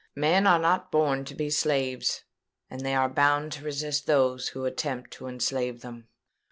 Men are not born to be slaves; and they are bound to resist those who attempt to enslave them."